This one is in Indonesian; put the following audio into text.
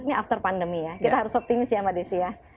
ini after pandemi ya kita harus optimis ya mbak desi ya